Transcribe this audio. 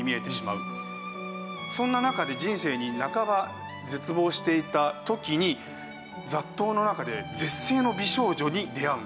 そんな中で人生に半ば絶望していた時に雑踏の中で絶世の美少女に出会うんです。